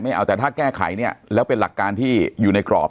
เอาแต่ถ้าแก้ไขเนี่ยแล้วเป็นหลักการที่อยู่ในกรอบ